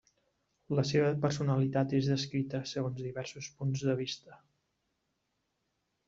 La seva personalitat és descrita segons diversos punts de vista.